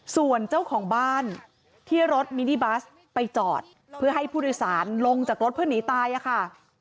ส่วนเจ้าของบ้านที่รถมินิบัสไปจอดเพื่อให้ผู้โดยสารลงจากรถเพื่อหนีตายค่ะ